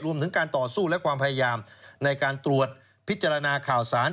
รวมถึงการต่อสู้และความพยายามในการตรวจพิจารณาข่าวสาร